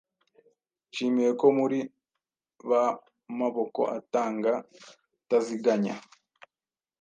Nshimye ko muri ba maboko atanga ataziganya”,